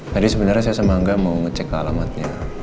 tadi sebenarnya saya sama angga mau ngecek alamatnya